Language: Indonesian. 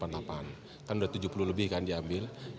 kan sudah tujuh puluh lebih kan diambil